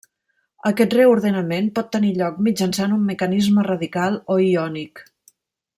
Aquest reordenament pot tenir lloc mitjançant un mecanisme radical o iònic.